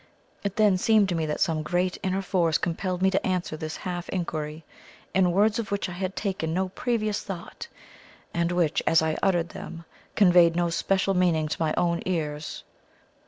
It then seemed to me that some great inner force compelled me to answer this half inquiry, in words of which I had taken no previous thought, and which, as I uttered them, conveyed no special meaning to my own ears.